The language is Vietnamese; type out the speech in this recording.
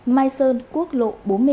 mai sơn quốc lộ bốn mươi năm